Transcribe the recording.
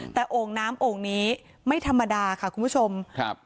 แต่โอ่งน้ำโอ่งนี้ไม่ธรรมดาค่ะคุณผู้ชมครับ